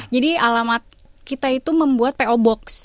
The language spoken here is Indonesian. jadi alamat kita itu membuat po box